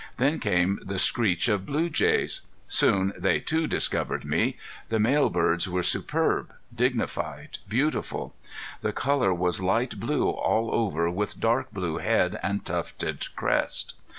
Then came the screech of blue jays. Soon they too discovered me. The male birds were superb, dignified, beautiful. The color was light blue all over with dark blue head and tufted crest.